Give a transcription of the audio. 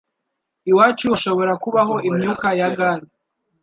Iwacu hashobora kubaho imyuka ya gaze.